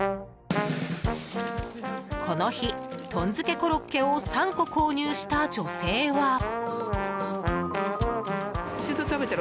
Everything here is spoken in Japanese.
この日、とん漬コロッケを３個購入した女性は。